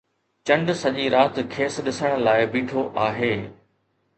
چنڊ سڄي رات کيس ڏسڻ لاءِ بيٺو آهي